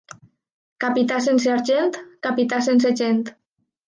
Capità sense argent, capità sense gent.